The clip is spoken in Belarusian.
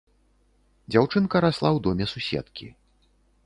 Дзяўчынка расла ў доме суседкі.